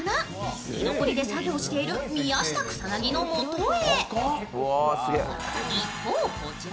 居残りで作業している宮下草薙の元へ。